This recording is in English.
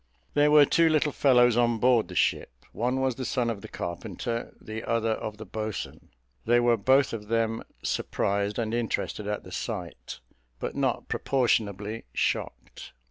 There were two little fellows on board the ship; one was the son of the carpenter, the other of the boatswain. They were both of them surprised and interested at the sight, but not proportionably shocked.